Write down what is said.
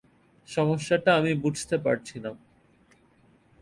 সমস্যাটা আমি বুঝতে পারছি না।